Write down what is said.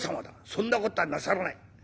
そんな事はなさらない。